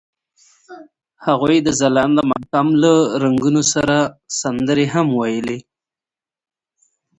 هغوی د ځلانده ماښام له رنګونو سره سندرې هم ویلې.